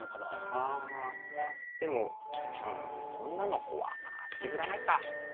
あでもうん女の子は引きずらないか。